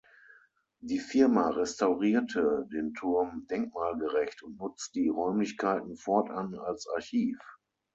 Die Firma restaurierte den Turm denkmalgerecht und nutzt die Räumlichkeiten fortan als Archiv.